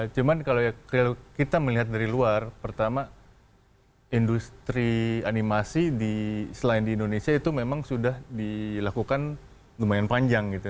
cuman kalau kita melihat dari luar pertama industri animasi selain di indonesia itu memang sudah dilakukan lumayan panjang gitu